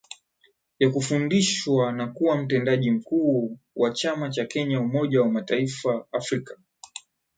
ya kufundisha na kuwa mtendaji mkuu wa chama cha Kenya Umoja wa mataifa afrika